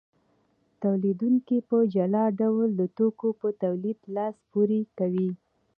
تولیدونکي په جلا ډول د توکو په تولید لاس پورې کوي